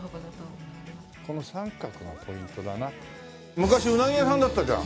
昔ウナギ屋さんだったじゃん。